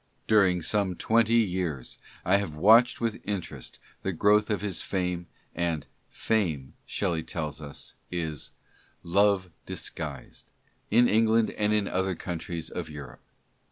During some twenty years I have watched with interest the growth of his fame (and " fame," Shelley tells us, is " love dis 52 LETTERS. guised ") in England and in other countries of Europe.